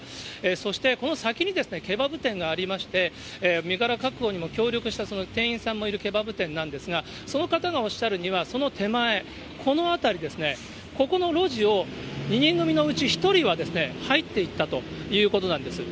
そして、この先にケバブ店がありまして、身柄確保にも協力した、その店員さんもいるケバブ店なんですが、その方がおっしゃるには、その手前、この辺りですね、ここの路地を２人組のうち１人は入っていったということなんです。